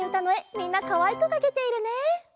みんなかわいくかけているね。